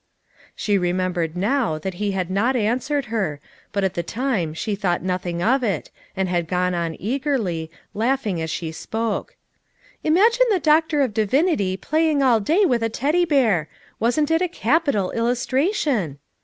She remembered now that he had not an swered her, but at the time she thought nothing of it, and had gone on eagerly, laughing as she spoke. "Imagine the Doctor of Divinity playing all day with a Teddy bear! Wasn't it a capital illustration?"